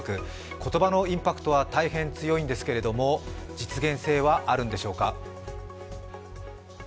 言葉のインパクトは大変強いんですけれども、実現性はあるんでしょうか。